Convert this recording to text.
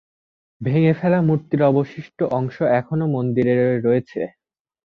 ভেঙে ফেলা মূর্তির অবশিষ্ট অংশ এখনও মন্দিরে রয়েছে।